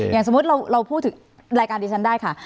อย่างสมมุติเราพูดถึงรายการดิฉันได้ค่ะ